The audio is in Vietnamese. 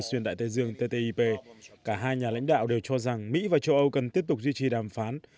xuyên đại tây dương ttip cả hai nhà lãnh đạo đều cho rằng mỹ và châu âu cần tiếp tục duy trì đàm phán